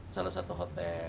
salah satu hotel